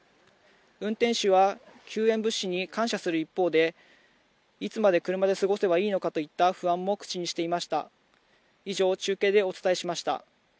運転手は救援物資に感謝する一方でいつまで車で過ごせばいいのかといった不安も口にしていました。